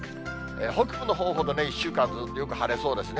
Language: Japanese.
北部のほうほど１週間、ずっとよく晴れそうですね。